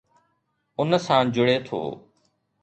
ان سان جڙي ٿو.